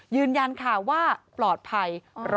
ยืนยันค่ะว่าปลอดภัย